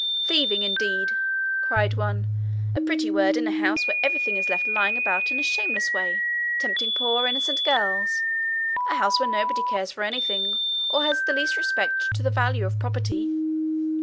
'Thieving, indeed!' cried one. 'A pretty word in a house where everything is left lying about in a shameless way, tempting poor innocent girls! A house where nobody cares for anything, or has the least respect to the value of property!'